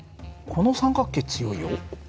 この三角形強いよ。